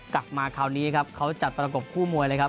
กลับมาคราวนี้ครับเขาจัดประกบคู่มวยเลยครับ